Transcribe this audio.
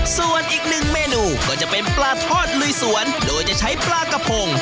ส่วนอีกหนึ่งเมนูก็จะเป็นปลาทอดลุยสวนโดยจะใช้ปลากระพง